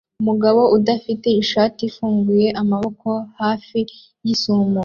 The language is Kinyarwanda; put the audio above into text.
Umugabo udafite ishati afunguye amaboko hafi yisumo